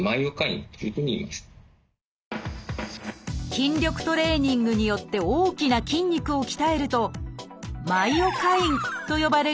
筋力トレーニングによって大きな筋力を鍛えると「マイオカイン」と呼ばれる物質が